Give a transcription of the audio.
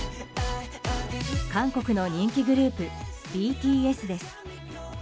韓国の人気グループＢＴＳです。